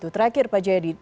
terakhir pak jayadi